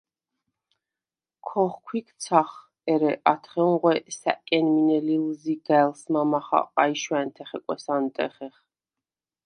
ქოხვიქცახ, ერე ათხეუნღვე სა̈კენ მინე ლილზიგა̈ლს მამა ხაყა ი შვა̈ნთე ხეკვეს ანტეხეხ.